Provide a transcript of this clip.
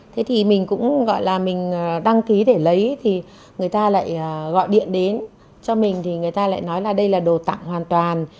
thế thì mình cũng gọi là mình đăng ký để lấy thì người ta lại gọi điện đến cho mình thì người ta lại nói là đây là đồ tặng hoàn toàn